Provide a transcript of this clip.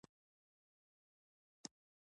اونی کوتل کوم ولایتونه سره نښلوي؟